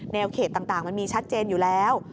เขตต่างมันมีชัดเจนอยู่แล้ว